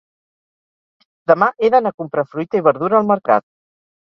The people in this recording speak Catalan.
Demà he d'anar a comprar fruita i verdura al mercat.